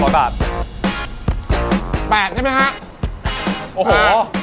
อ๋อ๕๐๐บาทแปดใช่ไหมฮะโอ้โห